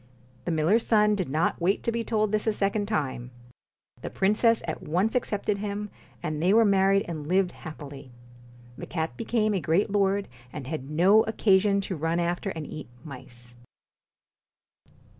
The miller's son did not wait to be told this a second time. The princess at once accepted him, and they were married and lived happily. The cat became a great lord, and had no occa sion to run after and eat mice.